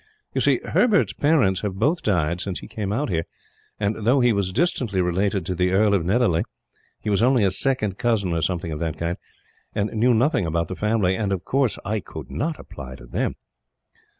"You see, Herbert's parents have both died since he came out here and, though he was distantly related to the Earl of Netherly, he was only a second cousin, or something of that kind, and knew nothing about the family; and of course I could not apply to them."